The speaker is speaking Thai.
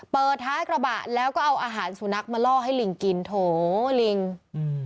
เปิดท้ายกระบะแล้วก็เอาอาหารสุนัขมาล่อให้ลิงกินโถลิงอืม